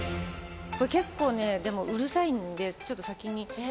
これ結構ねでもうるさいのでちょっと先に。